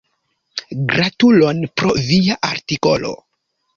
Gratulon pro via artikolo!